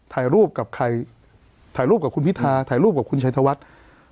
ถ่ายรูปกับใครถ่ายรูปกับคุณพิธาถ่ายรูปกับคุณชัยธวัฒน์